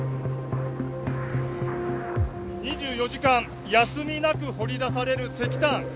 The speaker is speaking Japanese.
２４時間休みなく掘り出される石炭。